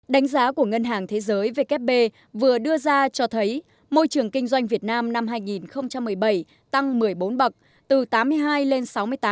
đánh giá của ngân hàng thế giới vkp vừa đưa ra cho thấy môi trường kinh doanh việt nam năm hai nghìn một mươi bảy tăng một mươi bốn bậc từ tám mươi hai lên sáu mươi tám